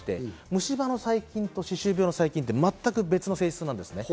虫歯の細菌と、歯周病の細菌って全く別の性質なんです。